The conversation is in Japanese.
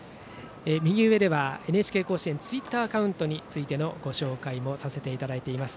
右上では「ＮＨＫ甲子園」ツイッターアカウントについてのご紹介もさせていただいています。